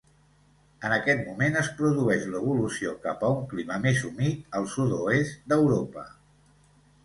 En aquest moment es produeix l'evolució cap a un clima més humit al sud-oest d'Europa.